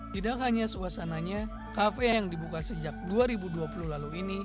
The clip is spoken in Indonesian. tidak hanya suasananya kafe yang dibuka sejak dua ribu dua puluh lalu ini